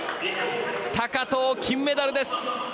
高藤、金メダルです！